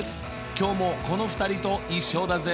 今日もこの２人と一緒だぜ。